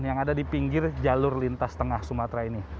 yang ada di pinggir jalur lintas tengah sumatera ini